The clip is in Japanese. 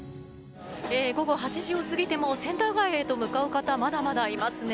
午後８時を過ぎてもセンター街へと向かう方まだまだいますね。